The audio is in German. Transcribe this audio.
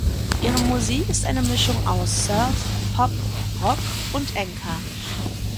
Ihre Musik ist eine Mischung aus Surf, Pop, Rock, und Enka.